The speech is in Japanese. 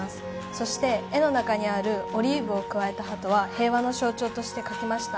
そして、絵の中にあるオリーブを加えた鳩は平和の象徴として描きました。